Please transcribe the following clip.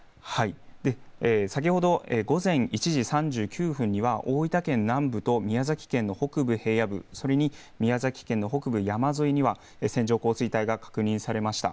先ほど午前１時３９分には大分県南部と宮崎県の北部平野部それに宮崎県の北部山沿いには線状降水帯が確認されました。